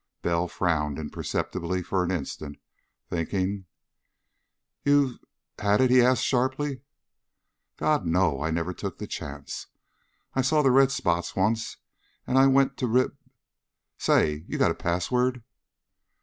Bell frowned imperceptibly for an instant, thinking. "You've had it?" he asked sharply. "God, no! I never took the chance! I saw the red spots once, and I went to Rib Say! You got a password?"